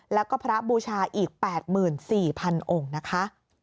แล้วก็พระบูชาอีก๘๔๐๐องค์นะคะ